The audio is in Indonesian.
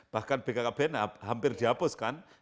bahkan bkkbn hampir dihapuskan